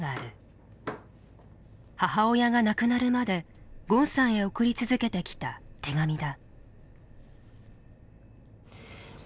母親が亡くなるまでゴンさんへ送り続けてきた手紙だ。